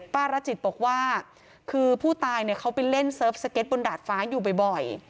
ประจิตบอกว่าคือผู้ตายเนี่ยเขาไปเล่นเซิร์ฟสเก็ตบนดาดฟ้าอยู่บ่อย